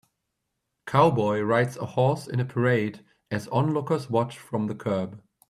cowboy rides a horse in a parade as onlookers watch from the curb.